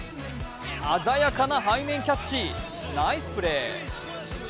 鮮やかな背面キャッチ、ナイスプレー！